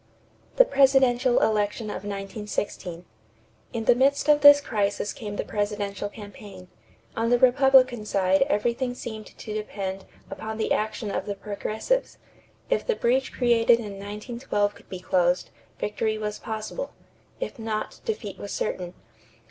=The Presidential Election of 1916.= In the midst of this crisis came the presidential campaign. On the Republican side everything seemed to depend upon the action of the Progressives. If the breach created in 1912 could be closed, victory was possible; if not, defeat was certain.